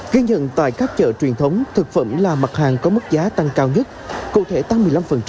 ghi nhận tại các chợ truyền thống thực phẩm là mặt hàng có mức giá tăng cao nhất cụ thể tăng một mươi năm